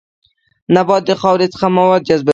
نبات د خاورې څخه مواد جذبوي